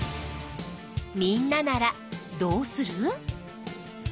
みんなならどうする？